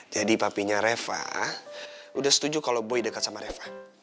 jadi papinya reva udah setuju kalau boy dekat sama reva